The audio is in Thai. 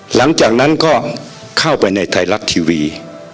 หลังจากนั้นก็เข้าไปในไทยรัฐทีวี